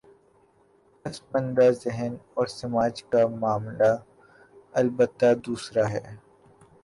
پس ماندہ ذہن اور سماج کا معاملہ البتہ دوسرا ہے۔